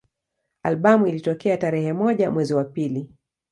Albamu ilitoka tarehe moja mwezi wa pili